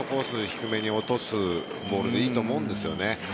低めに落とすボールでいいと思うんですよね。